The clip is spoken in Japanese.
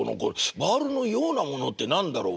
バールのようなものって何だろう。